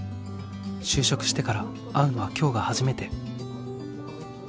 就職してから会うのは今日が初めて。